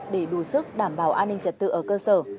để đủ sức đảm bảo an ninh trật tự ở cơ sở